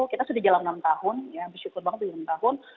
kita sudah dalam enam tahun ya bersyukur banget tujuh enam tahun